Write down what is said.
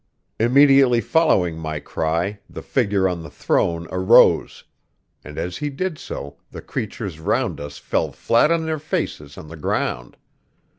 Immediately following my cry the figure on the throne arose; and as he did so the creatures round us fell flat on their faces on the ground.